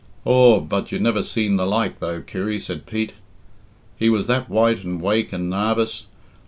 "Aw, but you never seen the like, though, Kirry," said Pete; "he was that white and wake and narvous.